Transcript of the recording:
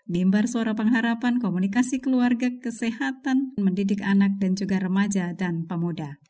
mimbar suara pengharapan komunikasi keluarga kesehatan mendidik anak dan juga remaja dan pemuda